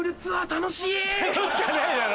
楽しかないだろ。